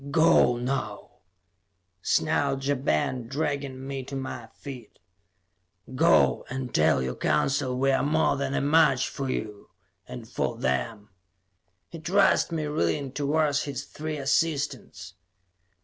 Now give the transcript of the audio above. "Go, now!" snarled Ja Ben, dragging me to my feet. "Go, and tell your Council we are more than a match for you and for them." He thrust me, reeling, towards his three assistants.